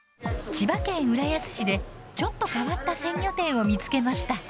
千葉県浦安市でちょっと変わった鮮魚店を見つけました。